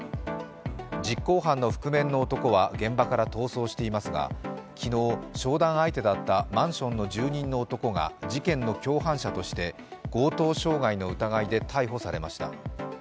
実行犯の覆面の男は現場から逃走していますが、昨日、商談相手だったマンションの住人の男が事件の共犯者として強盗傷害の疑いで逮捕されました。